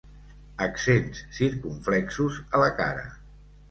Accents circumflexos a la cara.